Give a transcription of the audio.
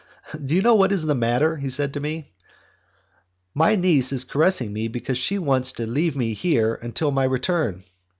"Do you know what is the matter?" he said to me; "my niece is caressing me because she wants me to leave her here until my return.